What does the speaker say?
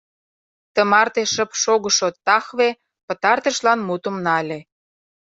Тымарте шып шогышо Тахве пытартышлан мутым нале.